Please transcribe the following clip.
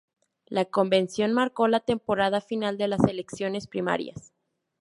La convención marcó la temporada final de las elecciones primarias.